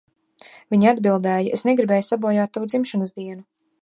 Viņa atbildēja, "Es negribēju sabojāt tavu dzimšanas dienu."